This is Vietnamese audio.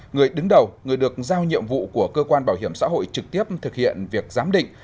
người đứng đầu người được giao nhiệm vụ của cơ quan bảo hiểm xã hội trực tiếp thực hiện việc giám định